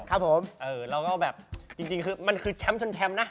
แล้วก็แบบมันคือแชมป์ชนแชมป์นะ